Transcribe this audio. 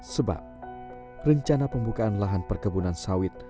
sebab rencana pembukaan lahan perkebunan sawit